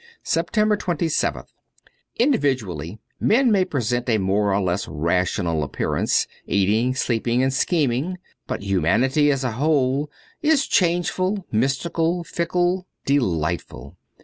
299 SEPTEMBER 27th INDIVIDUALLY, men may present a more or less rational appearance, eating, sleeping, and scheming. But humanity as a whole is changeful, mystical, fickle, delightful.